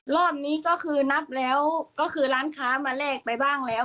รอบนี้ก็คือนับแล้วก็คือร้านค้ามาแลกไปบ้างแล้ว